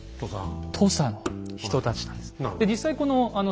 土佐の人たちなんです。